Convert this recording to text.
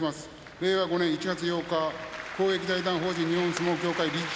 令和５年１月８日公益財団法人日本相撲協会理事長